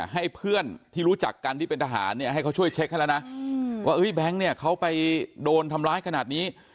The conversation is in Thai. ให้เพื่อนที่รู้จักกันที่เป็นทหารเนี่ยให้เขาช่วยเช็คให้แล้วนะว่าแบงค์เนี่ยเขาไปโดนทำร้ายขนาดนี้